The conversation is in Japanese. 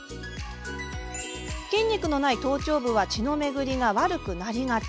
筋肉のない頭頂部は血の巡りが悪くなりがち。